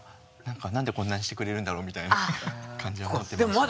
何でこんなにしてくれるんだろうみたいな感じは持ってました。